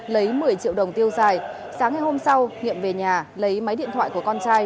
lấy một mươi triệu đồng tiêu xài sáng ngày hôm sau nhiệm về nhà lấy máy điện thoại của con trai